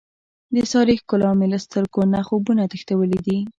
د سارې ښکلا مې له سترګو نه خوبونه تښتولي دي.